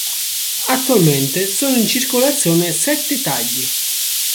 Attualmente sono in circolazione sette tagli.